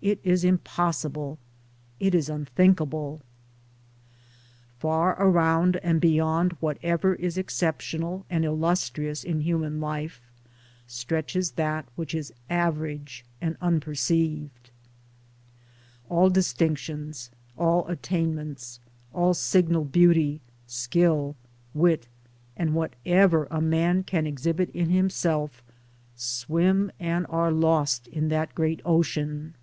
It is impossible; it is unthinkable. Far around and beyond whatever is exceptional and illustrious in human life stretches that which is average and unperceived ; All distinctions, all attainments, all signal beauty, skill, wit, and whatever a man can exhibit in himself, swim and are lost in that great ocean.